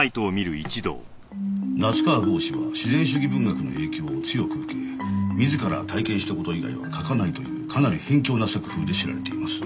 夏河郷士は自然主義文学の影響を強く受け自ら体験した事以外は書かないというかなり偏狭な作風で知られています。